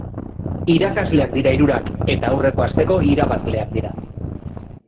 Irakasleak dira hirurak, eta aurreko asteko irabazleak dira.